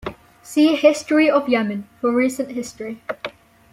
See History of Yemen for recent history.